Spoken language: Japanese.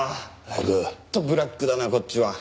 本当ブラックだなこっちは。